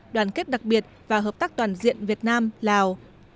đoàn kết đặc biệt và hợp tác toàn diện việt nam lào